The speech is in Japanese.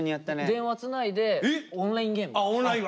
電話つないでオンラインゲームとか。